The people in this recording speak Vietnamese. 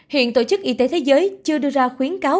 hiện tổ chức y tế thế giới chưa đưa ra khuyến cáo